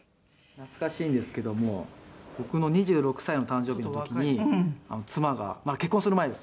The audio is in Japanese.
「懐かしいんですけども僕の２６歳の誕生日の時に妻がまだ結婚する前です」